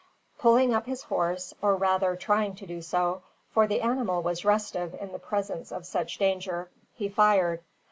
Pulling up his horse, or rather trying to do so, for the animal was restive in the presence of such danger, he fired.